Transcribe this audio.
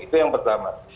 itu yang pertama